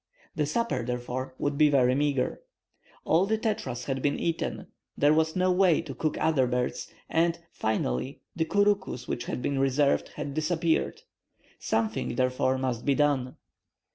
The supper, therefore, would be very meagre. All the tetras had been eaten, there was no way to cook other birds, and, finally, the couroucous which had been reserved had disappeared. Something, therefore, must be done.